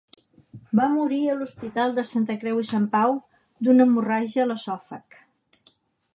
Va morir a l'Hospital de la Santa Creu i Sant Pau d'una hemorràgia a l'esòfag.